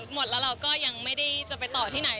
หมดแล้วเราก็ยังไม่ได้จะไปต่อที่ไหน